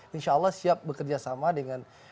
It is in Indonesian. insya allah siap bekerjasama dengan